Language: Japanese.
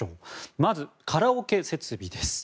まず、カラオケ設備です。